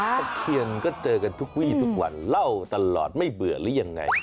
ตะเคียนก็เจอกันทุกวีทุกวันเล่าตลอดไม่เบื่อหรือยังไง